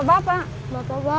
bapak apa deh